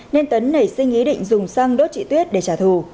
nên tấn nảy sinh ý định dùng xăng đốt chị tuyết để trả thù